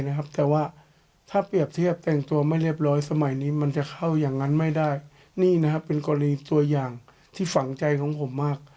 นี่นะครับเป็นตัวอย่างที่ฝังใจของผมมาก